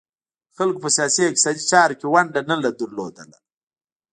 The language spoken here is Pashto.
خلکو په سیاسي او اقتصادي چارو کې ونډه نه لرله